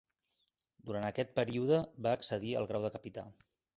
Durant aquest període va accedir al grau de capità.